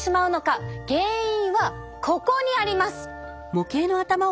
原因はここにあります。